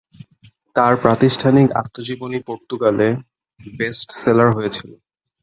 তার প্রাতিষ্ঠানিক আত্মজীবনী পর্তুগালে বেস্ট সেলার হয়েছিল।